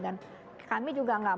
dan kami juga nggak mau